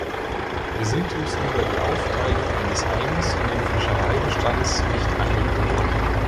Wir sind uns über die Aufteilung eines einzelnen Fischereibestands nicht einig geworden.